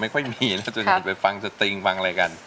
ไม่ค่อยมีนะจนเห็นไปฟังสตริงฟังอะไรกัน